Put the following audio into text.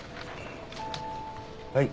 はい。